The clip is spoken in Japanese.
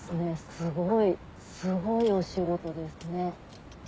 すごいすごいお仕事ですね。